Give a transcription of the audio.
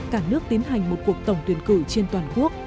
cả nước tiến hành một cuộc tổng tuyển cử trên toàn quốc